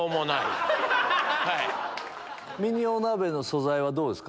ミニお鍋の素材はどうですか？